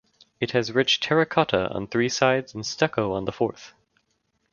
It has rich terracotta on three sides and stucco on the fourth.